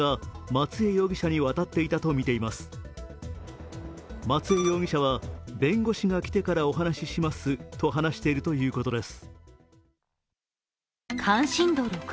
松江容疑者は、弁護士が来てからお話ししますと話しているということです。